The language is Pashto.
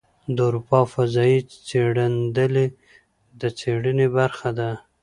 د اروپا فضايي څېړندلې د څېړنې برخه ده.